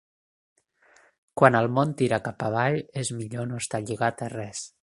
Quan el món tira cap avall, és millor no estar lligat a res.